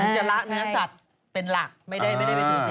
จะละเนื้อสัตว์เป็นหลักไม่ได้ไปถือสัต